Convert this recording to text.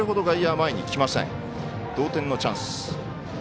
同点のチャンス。